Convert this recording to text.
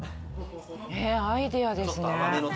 アイデアですね。